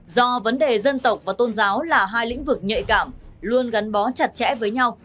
do vấn đề dân tộc và tôn giáo là hai lĩnh vực nhạy cảm luôn gắn bó chặt chẽ với nhau